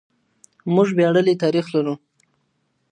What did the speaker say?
موږ وياړلی تاريخ لرو.